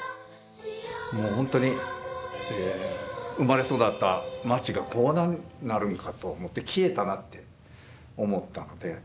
もう本当に生まれ育った街がこんなになるんかと思って消えたなって思ったので。